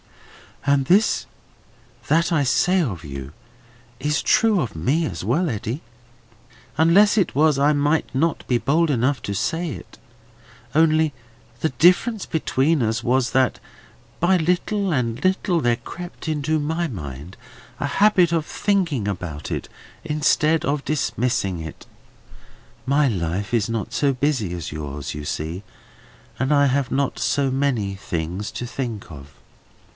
"All this that I say of you is true of me as well, Eddy. Unless it was, I might not be bold enough to say it. Only, the difference between us was, that by little and little there crept into my mind a habit of thinking about it, instead of dismissing it. My life is not so busy as yours, you see, and I have not so many things to think of.